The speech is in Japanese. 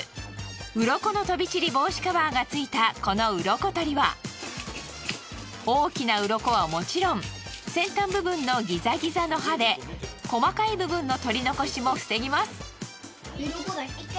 うろこの飛び散り防止カバーがついたこのうろこ取りは大きなうろこはもちろん先端部分のギザギザの刃で細かい部分の取り残しも防ぎます。